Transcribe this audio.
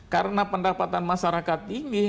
karena pendapatan masyarakat ini